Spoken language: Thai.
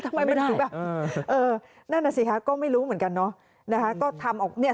ทำไมไม่ได้นั่นน่ะสิค่ะก็ไม่รู้เหมือนกันเนาะ